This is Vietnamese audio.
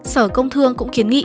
sở công thương cũng kiến nghị